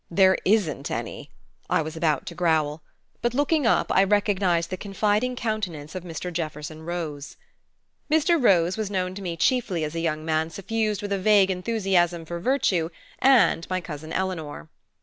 "There isn't any," I was about to growl; but looking up I recognized the confiding countenance of Mr. Jefferson Rose. Mr. Rose was known to me chiefly as a young man suffused with a vague enthusiasm for Virtue and my cousin Eleanor.